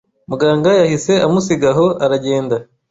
Muganga yahise amusiga aho aragenda